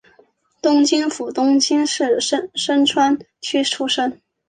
东京府东京市深川区出身。